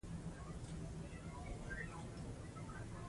موخو ته رسیدل هڅه غواړي.